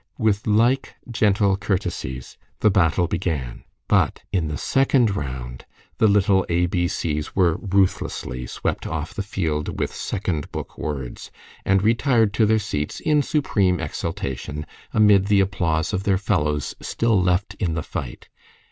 With like gentle courtesies the battle began; but in the second round the little A, B, C's were ruthlessly swept off the field with second book words, and retired to their seats in supreme exultation, amid the applause of their fellows still left in the fight.